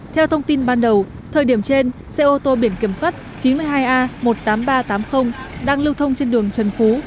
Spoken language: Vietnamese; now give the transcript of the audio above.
theo thông tin ban đầu thời điểm trên xe ô tô biển kiểm soát chín mươi hai a một mươi tám nghìn ba trăm tám mươi đang lưu thông trên đường trần phú